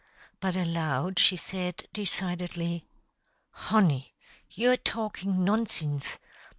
But aloud she said, decidedly: "Honey, you're talkin' nonsinse.